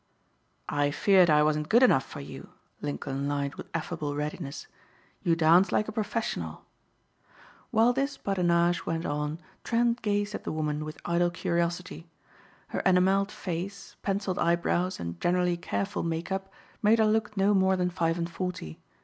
"I feared I wasn't good enough for you," Lincoln lied with affable readiness. "You dance like a professional." While this badinage went on Trent gazed at the woman with idle curiosity. Her enameled face, penciled eyebrows and generally careful make up made her look no more than five and forty.